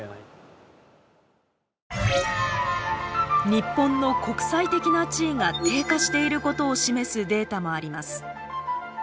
日本の国際的な地位が低下していることを示すデータもあります。